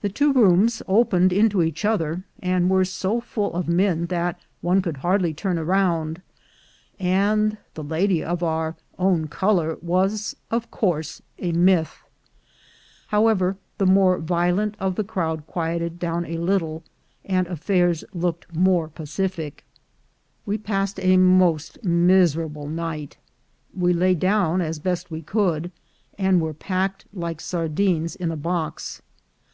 The two rooms opened into each other, and were so full of men that one could hardly turn round, and the lady of our own color was of course a myth. However, the more vie ON TO CALIFORNIA 31 lent of the crowd quieted dov/n a little, and affairs looked more pacific. We passed a most miserable night. We lay down as best we could, and were packed like sardines in a box.